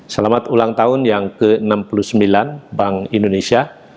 selamat ulang tahun yang ke enam puluh sembilan bank indonesia